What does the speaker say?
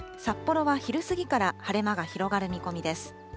札幌は昼過ぎから晴れ間が広がる見込みです。